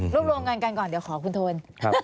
รวมรวมกันกันก่อนเดี๋ยวขอคุณโทน